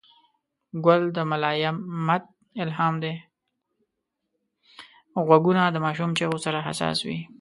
غوږونه د ماشومو چیغو سره حساس وي